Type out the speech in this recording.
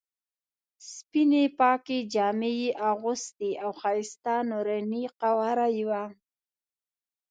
سپینې پاکې جامې یې اغوستې او ښایسته نوراني قواره یې وه.